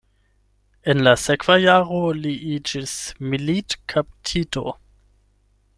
En la sekva jaro li iĝis militkaptito.